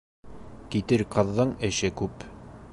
Китер ҡыҙҙың эше күп.